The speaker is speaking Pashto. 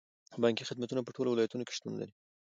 بانکي خدمات په ټولو ولایتونو کې شتون لري.